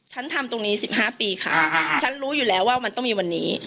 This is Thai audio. ทำตรงนี้๑๕ปีค่ะฉันรู้อยู่แล้วว่ามันต้องมีวันนี้